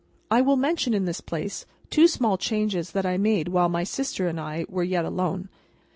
I will mention, in this place, two small changes that I made while my sister and I were yet alone.